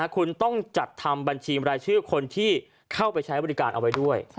คุณต้องจัดทำบัญชีรายชื่อคนที่เข้าไปใช้บริการเอาไว้ด้วย